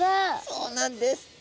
そうなんです。